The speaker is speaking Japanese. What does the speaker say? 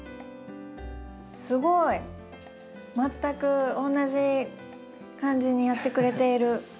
すごい！全く同じ感じにやってくれている。